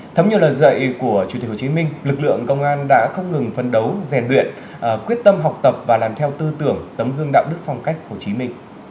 thấm nhiều lần dậy của chủ tịch hồ chí minh lực lượng công an đã không ngừng phân đấu rèn luyện quyết tâm học tập và làm theo tư tưởng tấm hương đạo đức phong cách hồ chí minh